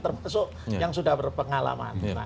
termasuk yang sudah berpengalaman